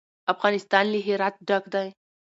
افغانستان له هرات ډک دی.